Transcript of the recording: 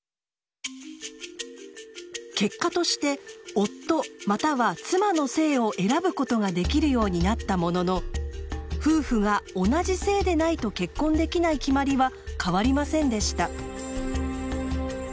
結果として夫または妻の姓を選ぶことができるようになったものの夫婦が同じ姓でないと結婚できない決まりは変わりませんでした。